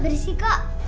ternyata enak banget